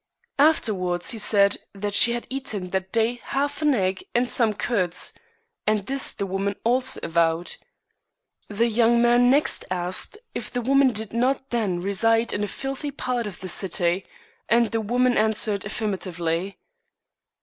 Afterwards he said that she had eaten that day half an egg and some curds ; and this the woman also avowed. The young man next asked if the woman did not then reside in a filthy part of the city ; and the woman answered affirmatively.